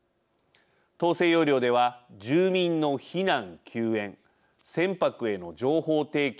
統制要領では住民の避難・救援船舶への情報提供